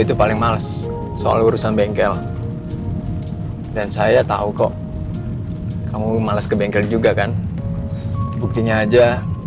terima kasih soal urusan bengkel dan saya tahu kok kamu males ke bengkel juga kan buktinya aja